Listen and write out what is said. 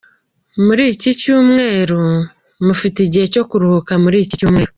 Muri iki cyumweru: mufite igihe cyo kuruhuka muri iki cyumweru.